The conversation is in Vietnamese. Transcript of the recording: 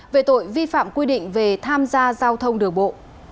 về tội vi phạm quy định về tham gia giao thông đường bộ